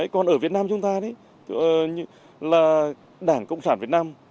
còn ở việt nam chúng ta thì là đảng cộng sản việt nam